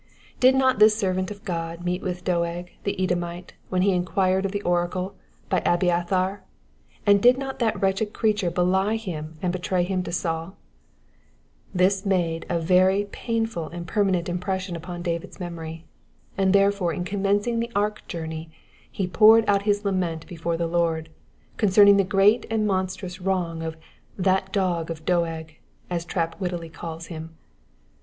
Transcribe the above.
Did not this servant of God meet with Doeg the Edomite when he enquired of the oracle by Abiathar, and did not that wretched creature belie him and betray him to Baul ? This made a very painful and perm'nent impression upon David's memory, and therefore in commencing the ark journey he poured out his lament before the Lord, con cerning the great and monstrous wrong of that dog of a Doeg," as Trapp wittily calls him.